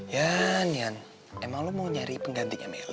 ian ian emang lo mau nyari penggantinya melly